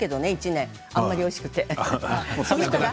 １年あまりおいしくて。